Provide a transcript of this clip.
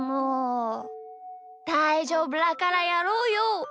だいじょうぶだからやろうよ。